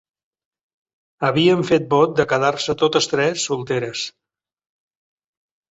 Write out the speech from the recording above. Havien fet vot de quedar-se totes tres solteres